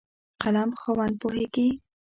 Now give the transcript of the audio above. قلم خاوند پوهېږي.